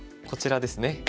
こちらですね。